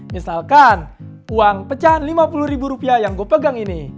misalkan uang pecahan lima puluh ribu rupiah yang gue pegang ini